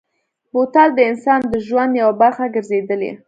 بوتل د انسان د ژوند یوه برخه ګرځېدلې.